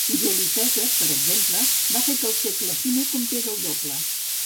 Juli Cèsar, per exemple, va fer que el segle I comptés el doble.